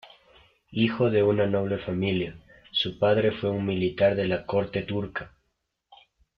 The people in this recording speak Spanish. Hijo de una noble familia, su padre fue un militar de la corte turca.